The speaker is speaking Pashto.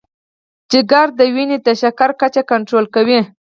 جگر د وینې د شکر کچه کنټرول کوي.